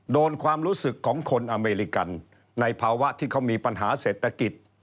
ความรู้สึกของคนอเมริกันในภาวะที่เขามีปัญหาเศรษฐกิจ